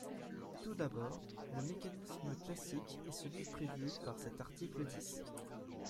Tout d’abord, le mécanisme classique est celui prévu par cet article dix.